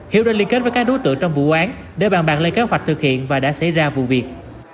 hiếu đã liên kết với các đối tượng trong vụ án để bàn bạc lên kế hoạch thực hiện và đã xảy ra vụ việc